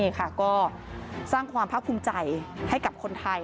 ก็สร้างความพร้อมคุ้มใจให้กับคนไทย